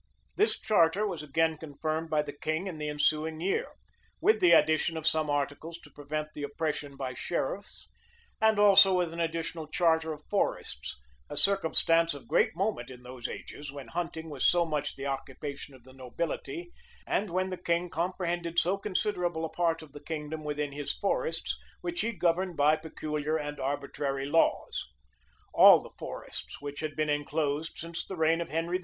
This charter was again confirmed by the king in the ensuing year, with the addition of some articles to prevent the oppressions by sheriffs; and also with an additional charter of forests, a circumstance of great moment in those ages, when hunting was so much the occupation of the nobility, and when the king comprehended so considerable a part of the kingdom within his forests, which he governed by peculiar and arbitrary laws. All the forests, which had been enclosed since the reign of Henry II.